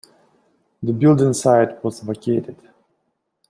The building site was vacated.